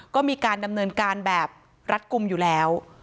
ก็มีการดำเนินการแบบรัดกลุ่มอยู่แล้ว